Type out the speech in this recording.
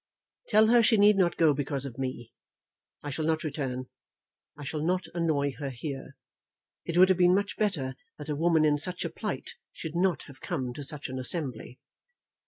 "Tell her she need not go because of me. I shall not return. I shall not annoy her here. It would have been much better that a woman in such a plight should not have come to such an assembly."